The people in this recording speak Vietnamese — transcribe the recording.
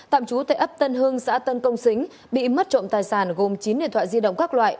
tạm trú tại ấp tân hưng xã tân công xính bị mất trộm tài sản gồm chín điện thoại di động các loại